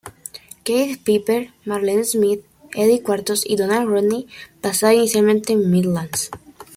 Keith Piper, Marlene Smith, Eddie Cuartos y Donald Rodney basado inicialmente en Midlands.